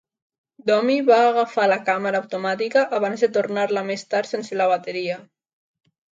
Domi va agafar la càmera automàtica abans de tornar-la més tard sense la bateria.